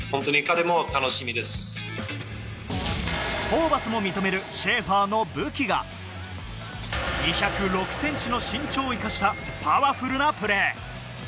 ホーバスも認めるシェーファーの武器が２０６ｃｍの身長を生かしたパワフルなプレー。